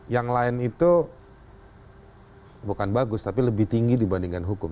yang lain itu bukan bagus tapi lebih tinggi dibandingkan hukum